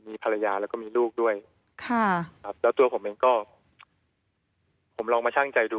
มีภรรยาแล้วก็มีลูกด้วยค่ะครับแล้วตัวผมเองก็ผมลองมาช่างใจดู